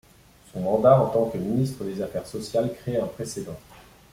Son mandat en tant que ministre des affaires sociales crée un précédent.